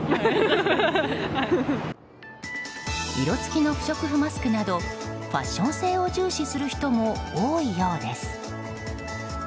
色付きの不織布マスクなどファッション性を重視する人も多いようです。